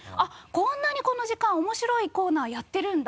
こんなにこの時間面白いコーナーやってるんだ。